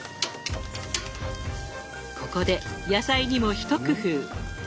ここで野菜にも一工夫。